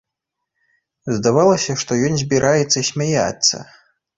Здавалася, што ён збіраецца смяяцца.